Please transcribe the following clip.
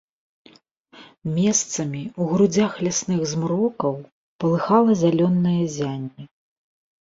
Месцамі ў грудзях лясных змрокаў палыхала зялёнае ззянне.